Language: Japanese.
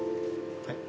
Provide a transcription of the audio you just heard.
はい？